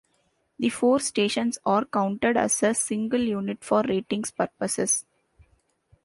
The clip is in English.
The four stations are counted as a single unit for ratings purposes.